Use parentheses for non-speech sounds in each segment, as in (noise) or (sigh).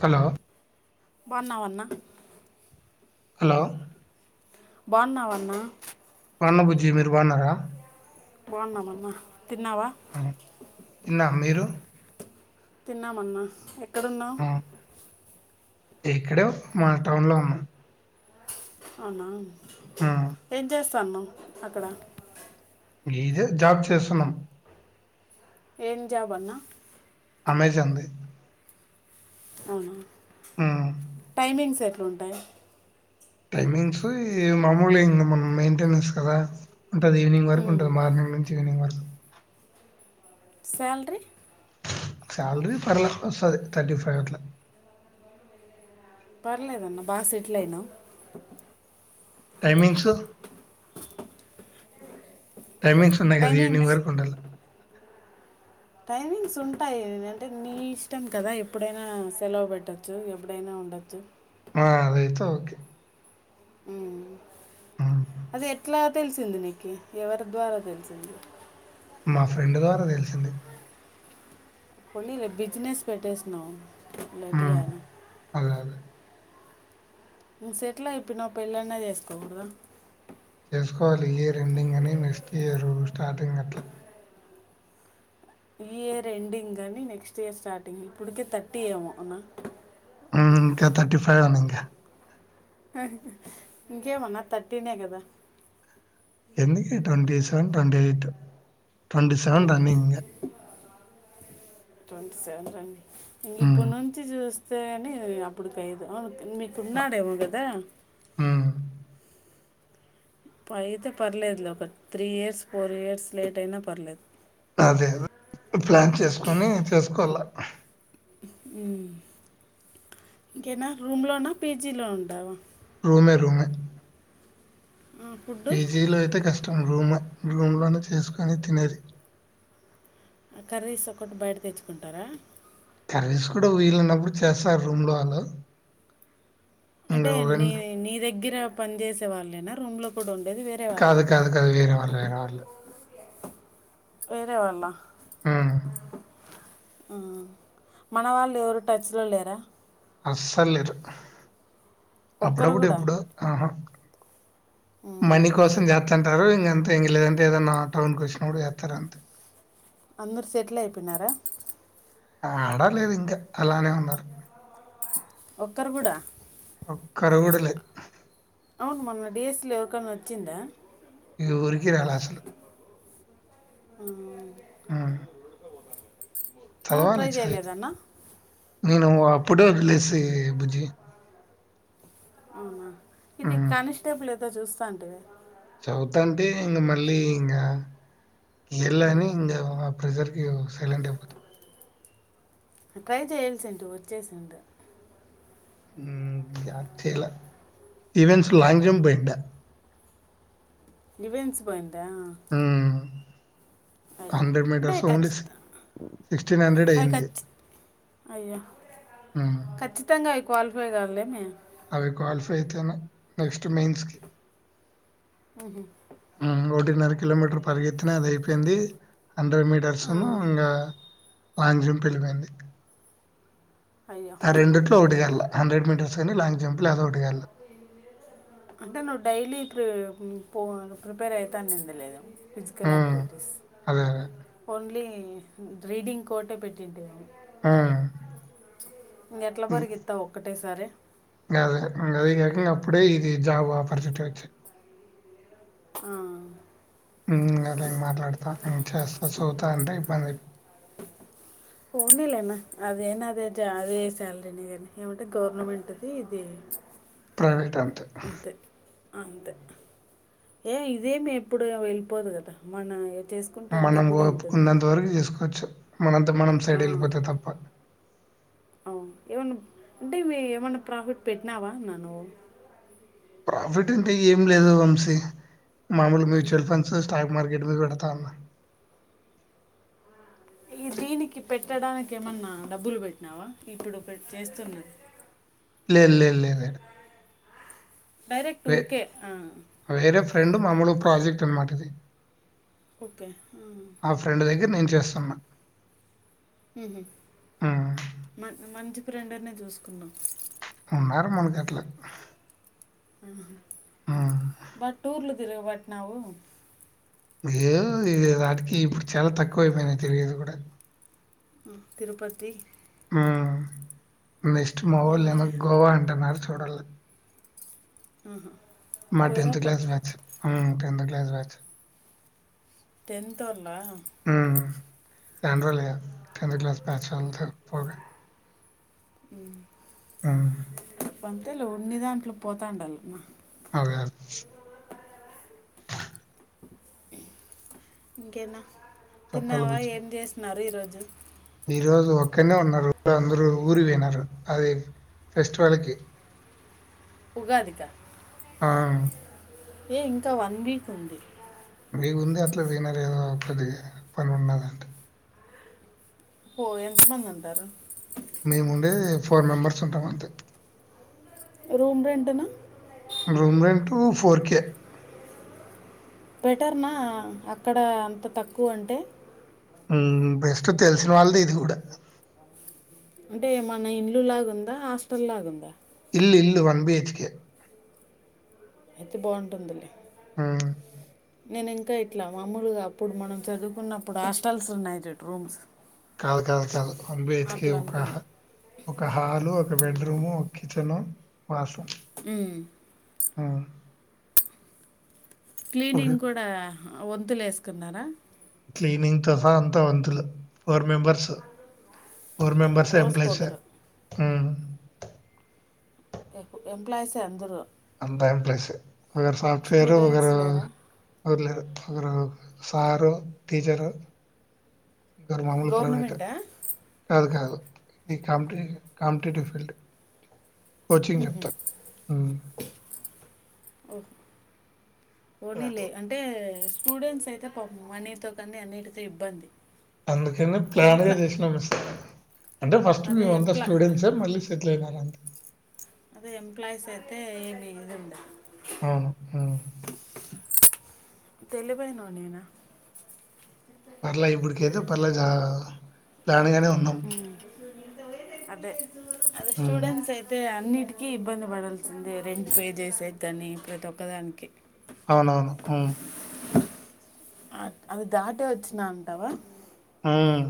Hello బాగున్నావా అన్నా hello బాగున్నావా అన్నా బాగున్నా బుజ్జి మీరు బాగున్నారా బాగున్నామన్నా తిన్నావా తిన్నరా మీరు తిన్నామన్న ఎక్కడున్నావు ఆ ఇక్కడే మాల్ టౌన్ లో ఉన్న అవునా ఏం చేస్తున్నావ్ అక్కడ ఇదే జాబ్ చేస్తున్నా ఏం జాబ్ అన్నా అమెజాన్ ది ఉమ్ టైమింగ్స్ ఎట్లుంటాయి టైమింగ్స్ ఇక మామూలే ఇంకా మనం మెయింటైనెన్స్ కదా ఉంటది ఈవినింగ్ వరకు ఉంటది మార్నింగ్ నుంచి ఈవినింగ్ వరకు శాలరీ శాలరీ పర్లే వస్తది థర్టీఫైవ్ అట్లా పర్లేదన్న బాగా సెటిల్ అయినావు టైమింగ్స్ టైమింగ్స్ ఉన్నాయి కదా ఈవినింగ్ టైమింగ్స్ వరకు ఉండాలా టైమింగ్స్ ఉంటాయి లేదంటే నీ ఇష్టం కదా ఎప్పుడైనా సెలవు పెట్టొచ్చు ఎప్పుడైనా ఉండొచ్చు ఆ అది అయితే ఓకే ఉ ఉమ్ అది ఎట్లా తెలిసింది నీకు ఎవరి ద్వారా తెలిసింది మా ఫ్రెండ్ ద్వారా తెలిసింది పోనీలే బిజినెస్ పెట్టేసినవ్ ఉమ్ లేటుగానే అదే అదే నువ్వు సెటిల్ అయిపోయినావు పెళ్ళైన చేసుకోకూడదా ఉ స్టార్టింగ్ అట్లా ఈ ఇయర్ ఎండింగ్ కానీ నెక్స్ట్ ఇయర్ స్టార్టింగ్ కానీ ఇప్పటికే థర్టీ ఏమో అవునా ఉ ఇంకా థర్టీ ఫైవ్ అను ఇంకా ఇంకేమన్నా తటీనే కదా ఎందుక twenty seven twenty eight twenty seven దాన్ని ఇంగ ట్వంటీ సెవెన్ రన్నింగ్ ఇంక ఇప్పుడు నుంచి చూస్తే అని అప్పుడుకిఐదు అవును మీకున్నాడేమో కదా ఉమ్ పయితే పర్లేదు ఒక three years four years late అయినా పర్లేదు అదే ప్లాన్ చేసుకొని చేసుకోల ఇంకేనా రూమ్ లో నా పీజీలో ఉంటావా రూమే రూమే ఫుడ్ పీజీలో అయితే కష్టం రూమే రూమ్ లోనే చేసుకొని తినేది ఆ కర్రీస్ ఒకటి బయట తెచ్చుకుంటారా కర్రీస్ కూడా వీలున్నప్పుడు చేస్తారు రూమ్ లో వాళ్ళు ఇంకా అంటే నీ ఒకవేళ- నీ దగ్గర పని చేేసే వాళ్ళేనా రూమ్ లో కూడా ఉం కాదు కాదు కాదు వేరే వాళ్ళు వేరే వాళ్ళు వేరే వాళ్ళ ఆ ఆ మన వాళ్ళు ఎవరు టచ్ లో లేరా అస్సలు లేరు ఒక్కరు అప్పుడప్పుడు కూడా ఎప్పుడో ఆహా ఉమ్. మనీ కోసం జాత్ దంతరు ఇంక అంతే ఇంగ లేదంటే ఏదన్నా టౌన్ కి వచ్చినప్పుడు ఎత్తారు అంతే అందరు సెటిల్ అయిపోయినారా ఆడలేదు ఇంకా అలానే ఉన్నారు ఒక్కరు కూడా ఒక్కరు గుడా లేరు అవును మొన్న డిఎస్సీలో ఎవరికైనా వచ్చిందా ఎవ్వరికి రాలా అసలు ఆ ఆ నువ్వు ట్రై చేయలేదన్న నేను అప్పుడే వదిలేసి బుజ్జి అవునా ఇది హ్మ్. కానిస్టేబుల్ ఏదో చూస్తా అంటివే వతాంటే ఇంగ మళ్ళీ ఇంగ ఎళ్ళని ఇంకా ప్రెజర్ కి సైలెంట్ అయిపోతు ట్రై చేయాల్సింటు వచ్చేసింట ఊ జాచేలా ఈవెంట్స్ లాంగ్ జంప్ పోయిండా ఈవెంట్స్ పోయిందా అయ్యో హండ్రెడ్ అంటే మీటర్స్ ఓన్లీ సి ఖచ్చితం సిక్స్టీన్ హండ్రెడ్ అవి అయింది ఖచ్చి అయ్యో హ్మ్. ఖచ్చితంగా అవి క్వాలిఫై కావలే మే అవి క్వాలిఫై అయితన నెక్స్ట్ మెయిన్స్ కి మ్మ్ హు టిన్నర్ కిలోమీటర్ పరిగెత్తిన అది అయిపోయింది హండ్రెడ్ ఆ, మీటర్స్ను ను ఇంకా ఆట్ నుంచి ఎల్లిపోయింది అయ్యో ఆ రెండుట్లో ఒకటికిళ్ల హండ్రెడ్ మీటర్స్ కానీ లాంగ్ జంప్ లేదో ఒకటిగాళ్ల అంటే నువ్వు డైలీ ఇ పో ప్రిపేర్ అయితా నిందిలే ఫిజికల్ హ్మ్. యాక్టివిటీస్ అదే. అదే. ఓన్లీ రీడింగ్ కోటే పెట్టింటి కాని హ్మ్. ఇ ఎట్ల పరిగేత్తవు ఒక్కటే సరే గదే గది కాక అప్పుడే ఇది జాబ్ ఆపర్చునిటీ వచ్చి ఆ హ్మ్. అలా ఇంక బాగా పోనీలేనా అదేనా అదే జ అదే శాలరీని కానీ ఏమంటే గవర్నమెంట్ ది ఇది ప్రైవేట్ అంతే అంతే ఏ ఇదేమి ఎప్పుడు వెళ్ళిపోదు కదా మన ఏ మనం కోపుకున్నంత వరకు చేసుకోచ్చు మనంతకు మనం ఆ, సైడ్ వెళ్ళిపోతే తప్ప అవును ఏమన్నా అంటే మే ఏమన్నా ప్రాఫిట్ పెట్టినావా అన్న నువు ప్రాఫిట్ అంటే ఏం లేదు వంశీ మామూలు మ్యూచువల్ ఫండ్స్ ఏ స్టాక్ మార్కెట్ మీద పెడతాన్న ఈ దీనికి పెట్టడానికి ఏమన్నా డబ్బులు పెట్టినావా ఇప్పుడు పే చేస్తున్నది లేద్ లేద్ లేద్ యాడ డైరెక్ట్ ఊర్కే ఆ రెండు మామూలు ప్రాజెక్ట్ అనమాట అది ఓకే ఆ చేస్తన్నా మ్మ్ హు మన్ మంచి ఫ్రెండ్ నే చూసుకున్నావ్ ఉన్నారు మనకు అట్లా మ్మ్ బట్ ఊర్లు తిరగబట్టినావు ఏదో ఇది ఆటికి ఇప్పుడు చాలా తక్కువ అయిపోయినాయి తిరిగేది కూడా మ్మ్ తిరుపతి మ్మ్ నెస్ట్ మావూళ్ళు మొన్నే ఏమ గోవా అంటన్నారు చూడల్ల మ్మ్ హు మా టెన్త్ క్లాస్ బ్యాచ్ మ్మ్ టెన్త్ క్లాస్ బ్యాచ్ టెన్తోల్ల హ్మ్. చానా రోజులు ఆయ కదా టెన్త్ క్లాస్ బ్యాచ్ అంతే పోగా మ్మ్ అవును అంతేలే ఉన్ని దాంట్లో పోతాండాల మా అదే ఇంకేనా చెప్పాలి తిన్నావా ఏం చేసిన్నారు ఈరోజు ఈ రోజు ఒక్కనే ఉన్న రూమ్ లో అందరూ ఊరి పోయినారు అది ఫెస్టివల్ కి ఉగాదికా ఆ ఏ ఇంకా వన్ వీక్ ఉంది మీగు ఉంది అట్లా తినాల ఏదో ఒకది పని ఉన్నదంటే పో ఎంత మంది అంటారు మేముండేది ఫోర్ మెంబర్స్ ఉంటాం అంతే రూమ్ రెంటనా room rent four K better నా అక్కడ అంత తక్కువ అంటే ఉ బెస్ట్ తెలిసిన వాళ్ళదే ఇది కూడా అంటే మన ఇల్లు లాగా ఉందా హాస్టల్ లాగా ఉందా ఇల్లు ఇల్లు వన్ బి హెచ్ కే అయితే బాగుంటుందిలే ఆ నేను ఇంకా ఇట్లా మాముూలుగా అప్పుడు మనం చదువుకున్నప్పుడు హాస్టల్స్ ఉన్నాయి చూడు రూమ్స్ కాదు కాదు కాదు వన్ బి హెచ్ కే అట్లా అనుకున్నా ఒక హాలు ఒక బెడ్రూము ఒక కిచెను బసం ఉమ్. క్లీనింగ్ కూడా వంతులే వేసుకున్నారా క్లీనింగ్ తో సహా అంత వంతులే four members four members employees రోజుకొకరు ఎ ఎంప్లాయీసే అందరు అంతా ఎంప్లైస్ ఒకరు సాఫట్వేరు స్టూడెంట్స్ ఒకరు లేరా ర్ల ఒకరు సారు టీచరు ఇంకరు మామూలు ప్రైవేట్ గవర్నమెంటా కాదు కాదు కమిటి కాంపిటీటివ్ ఫీల్డ్ కోచింగ్ చెప్తా ఓహో ఓనీ లే అట్లా. అంటే స్టూడెంట్స్ అయితే పాపం అన్నిటితో కానీ అన్నిటితో ఇబ్బంది అందుకని ప్లాన్గా ఎంప్లా చేసినాం మస్త అంటే ఫస్ట్ అదే మేమంతా ఎంప్లా స్టూడెంట్సే మళ్ళీ సెటిల్ అయినం అంతే అదే ఎంప్లాయీస్ అయితే ఇదిండ అవును ఉమ్ టెలివే (inaudible) పర్లే ఇప్పుడికైయితే పర్లే ప్లాన్ గానే ఉన్నాం అదే అదే ఉమ్. స్టూడెంట్స్ అయితే అన్ని ఇటికి ఇబ్బంది పడాల్సింద రెంట్ పే చేసేకి కానీ ప్రతి ఒక్కదానికి అవునవును ఉమ్. అది దాటే వచ్చినా అంటావా ఉమ్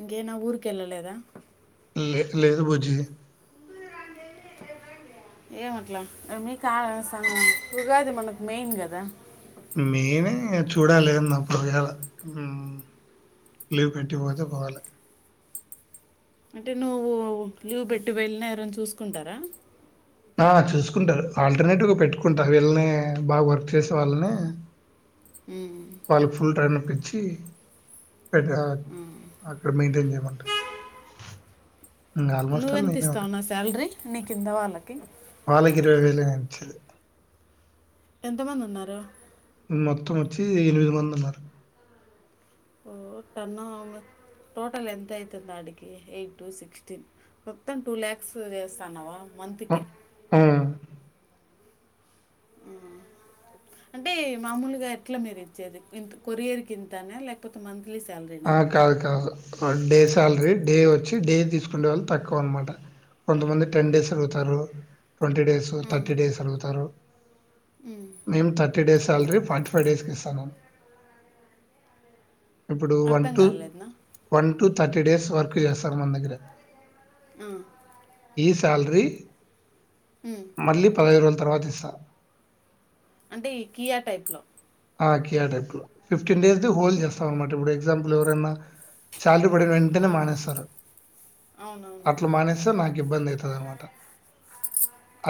ఇకే నా ఊర్కెళ్ళలేదా లే లేదు బుజ్జి బరానే ఏమట్లా మీ కాలస ఉగాది మనకు మెయిన్ కదా మెయినే చూడాలాలిదన్న (inaudible) లీవ్ పెట్టిపోతే పోవాలి అంటే నువ్వు లీవ్ పెట్టి వెళ్ళినా ఎవరైనా చూసుకుంటారా ఆ చూసుకుంటారు ఆల్టర్నేటివ్గా పెట్టుకుంటారు వీళ్ళని బాగా వర్క్ చేసే వాళ్ళని ఉమ్, వాళ్ళ ఫుల్ టైమ్ ఇప్పించి పెట్ట ఉమ్. అక్కడ మెయింటైన్ చేయమంటరూ నువ్వెంత ఇస్తావు నా శాలరీ నీ కింద వాళ్ళకి వాళ్ళకి ఇరవై వేలే అండి ఎంతమంది ఉన్నారు మొత్తం వచ్చి ఎనిమిది మంది ఉన్నారు ఓ కనా వ (inaudible) టోటల్ ఎంత అవుతుంది ఆడికి ఎయిట్ టు సిక్స్టీన్ మొత్తం టూ ల్యాక్స్ చేస్తున్నావా మంత్కి హ్మ్. హ్మ్. ఆ అంటే మామూలుగా ఎట్లా మీరు ఇచ్చేది ఇంత కొరియర్ కి ఇంతనే లేకపోతే మంత ఆ కాదు కాదు ఆ డే స్యాల్రీ డే ఒచ్చి డే తీసుకుండే వాళ్ళు తక్కువ అన్మాట కొంతమంది టెన్ డేస్ అడుగుతారు ట్వంటీ డేస్ థట్టి డేస్ అడుగుతారు మేమ్ థట్టి డేస్ స్యాల్రీ ఫార్టీ ఫైవ్ డేస్కి ఇస్తనాన్ ఇప్పుడు వన్ అర్థం టు కాలేదునా వన్ టు థట్టి డేస్ వర్క్ జేస్తార్ మన్ దగ్గిర ఆ ఈ స్యాల్రీ మళ్ళీ పదైదు రోజుల తర్వాత ఇస్తా అంటే ఈ కియా టైప్ లో ఆ కియా టైప్ లో ఫిఫ్టీన్ డేస్ ది హోల్డ్ జేస్తాం అన్మాట ఇబ్బుడు ఎగ్జాంపుల్ ఎవరైన స్యాల్రీ పడిన వెంటనే మానేస్తారు అవునవును అట్ల మానేస్తే నాకు ఇబ్బంది అయితాది అనమాట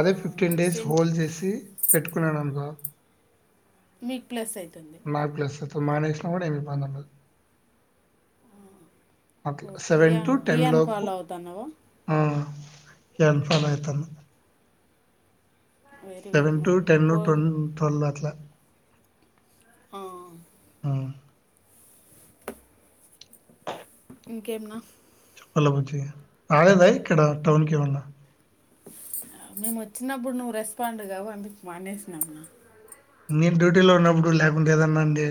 అదే ఫిఫ్టీన్ డేస్ సెంక్ హోల్ జేసి పెట్టుకునాన్ అన్కో మీక్ ప్లస్ అయితుంది వల్ మానేశ్న గుడ ఏం ఇబ్బంది ఉండదు అట్ల ఓ సెవెన్ కియా టు టెన్ కియాని లోపు ఫాలో అవుతున్నావా ఆ యన్ఫామ్ అయితంది వెరీ గుడ్ సెవెన్ టు నాకు టెన్ పో టొన్ టవ్ల్ అట్ల ఆ ఊ ఇంకేం నా హలో బుజ్జి ఆడేదా ఇక్కడ టౌన్కి ఏమన్న మేము ఒచ్చినబ్బుడ్ నువ్వు రెస్పాండ్ గావు అందుక్ మానేస్నాం అన్న నీన్ డ్యూటీలో ఉన్నబ్బడు ల్యాకుంటే ఏదన్న అండి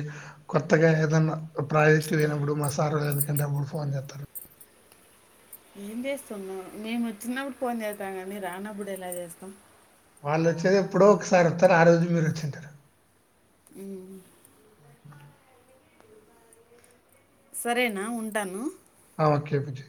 కొత్తగా ఏదన్న ప్రాజెక్ట్ బేనబ్బుడు మ సారోల్ యనకంటి అబ్బుడ్ ఫోన్ జేతరు ఏం జేస్తవ్ నా నేను ఒచ్చినవ్డు ఫోన్ జేత్తం గానీ రానబ్బుడు ఎలా జేస్తాం వాళ్ళు ఒచ్చేది ఎప్పుడో ఒకసారి ఒత్తరు ఆ రోజు మీరు ఒచ్చింటరు ఊ సరేనా ఉంటాను ఆ ఓక్కే బుజ్జి